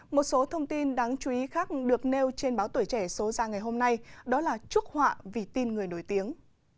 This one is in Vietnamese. một số thông tin đáng chú ý khác được nêu trên báo tuổi trẻ số ra ngày hôm nay đó là trúc họa vì tin người nổi tiếng